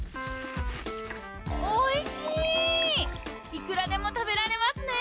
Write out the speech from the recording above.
おいしいいくらでも食べられますね